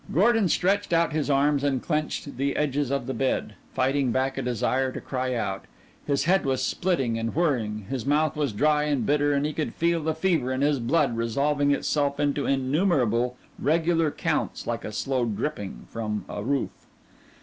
Gordon stretched out his arms and clenched the edges of the bed, fighting back a desire to cry out. His head was splitting and whirring, his mouth was dry and bitter and he could feel the fever in his blood resolving itself into innumerable regular counts like a slow dripping from a roof.